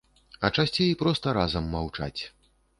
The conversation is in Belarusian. А часцей проста разам маўчаць.